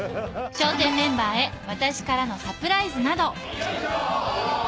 笑点メンバーへ私からのサプライズなど・ヨイショ！